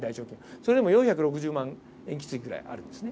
それでも４６０万塩基対ぐらいあるんですね。